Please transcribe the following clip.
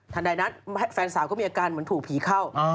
ใดนั้นแฟนสาวก็มีอาการเหมือนถูกผีเข้า